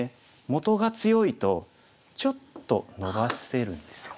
元が強いとちょっとのばせるんですよ。